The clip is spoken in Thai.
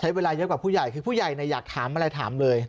เวลาเยอะกว่าผู้ใหญ่คือผู้ใหญ่อยากถามอะไรถามเลย